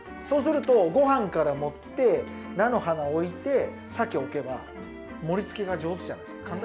そうすると、ごはんから盛って菜の花置いて、鮭を置けば盛りつけが上手じゃないですか。